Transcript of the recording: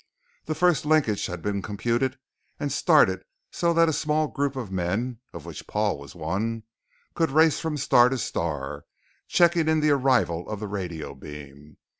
The first linkage had been computed and started so that a small group of men (of which Paul was one) could race from star to star checking in the arrival of the radio beam.